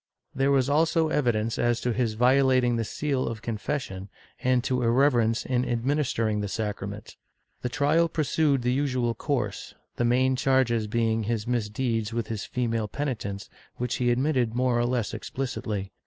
There was also evidence as to his violating the seal of confession, and to irreve rence in administering the sacrament. The trial pursued the usual course, the main charges being his misdeeds with his female peni tents, which he admitted more or less explicitly.